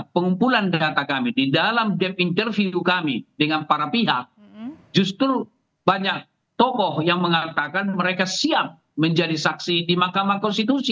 pengumpulan data kami di dalam game interview kami dengan para pihak justru banyak tokoh yang mengatakan mereka siap menjadi saksi di mahkamah konstitusi